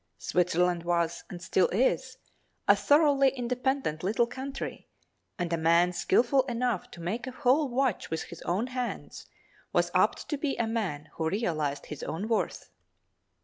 Switzerland was, and still is, a thoroughly independent little country and a man skilful enough to make a whole watch with his own hands was apt to be a man who realized his own worth.